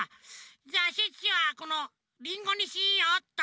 じゃあシュッシュはこのリンゴにしようっと！